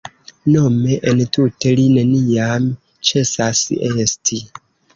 Nome, entute, “Li neniam ĉesas esti”.